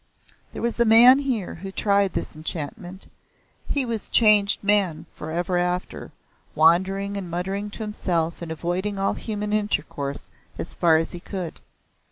There was a man here who tried this enchantment. He was a changed man for ever after, wandering and muttering to himself and avoiding all human intercourse as far as he could.